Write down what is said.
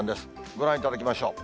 ご覧いただきましょう。